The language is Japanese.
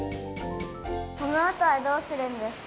このあとはどうするんですか？